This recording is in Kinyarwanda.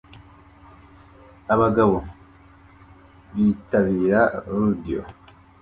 Aba bagabo bitabira rodeo